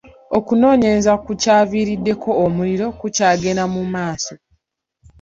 Okunoonyereza ku kyaviiriddeko omuliro kukyagenda mu maaso.